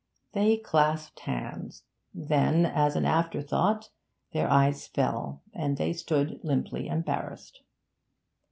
They clasped hands; then, as an afterthought, their eyes fell, and they stood limply embarrassed.